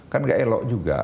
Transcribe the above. kan nggak elok juga